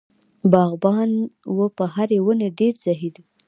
باغبان و په هرې ونې ډېر زهیر.